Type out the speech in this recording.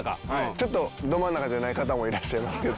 ちょっとど真ん中じゃない方もいらっしゃいますけど。